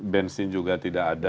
bensin juga tidak